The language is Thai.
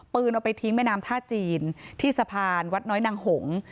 เอาไปทิ้งแม่น้ำท่าจีนที่สะพานวัดน้อยนางหง